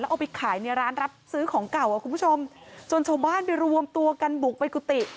แล้วเอาไปขายในร้านรับซื้อของเก่าจนชาวบ้านไปรวมตัวกันบุกไปกุติ